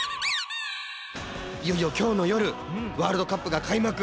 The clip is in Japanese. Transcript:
いよいよきょうのよるワールドカップが開幕。